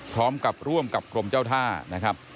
พร้อมกับร่วมกับกรมเจ้าท่านะครับ